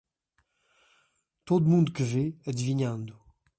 Todo mundo que vê adivinhando